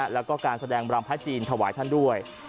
แล้วก็การแสดงรำพระจีนถวายท่านด้วย